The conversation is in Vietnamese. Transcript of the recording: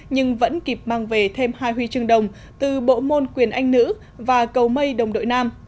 nhưng vẫn kịp mang về thêm hai huy chương đồng từ bộ môn quyền anh nữ và cầu mây đồng đội nam